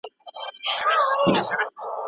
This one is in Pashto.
د استازو له پاره کمپاین څنګه کېږي؟